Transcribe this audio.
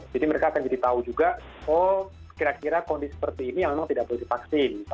jadi mereka akan jadi tahu juga oh kira kira kondisi seperti ini memang tidak boleh dipaksai